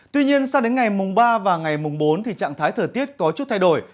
tuy nhiên sang đến ngày mùng ba và ngày mùng bốn trạng thái thời tiết có chút thay đổi